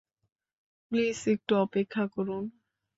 Please, একটু অপেক্ষা করুন!